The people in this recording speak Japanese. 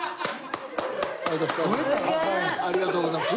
ありがとうございます。